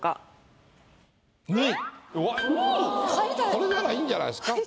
これならいいんじゃないですか？